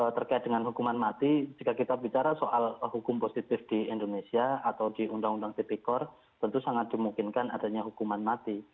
terkait dengan hukuman mati jika kita bicara soal hukum positif di indonesia atau di undang undang tipikor tentu sangat dimungkinkan adanya hukuman mati